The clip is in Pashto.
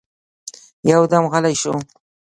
يودم غلی شو.